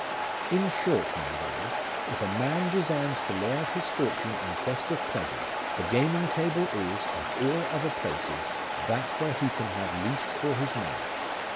"In short, my lord, if a man designs to lay out his fortune in quest of pleasure, the gaming table is, of all other places, that where he can have least for his money.